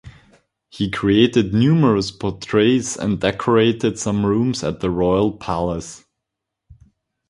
He created numerous portraits and decorated some rooms at the royal palace.